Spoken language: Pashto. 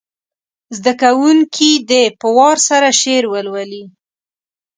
زده کوونکي دې په وار سره شعر ولولي.